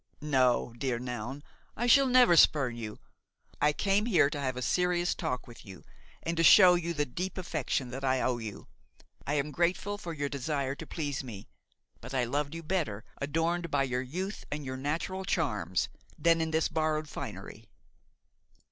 "No, dear Noun, I shall never spurn you; I came here to have a serious talk with you and to show you the deep affection that I owe you. I am grateful for your desire to please me; but I loved you better adorned by your youth and your natural charms than in this borrowed finery."